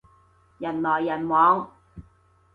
人來人往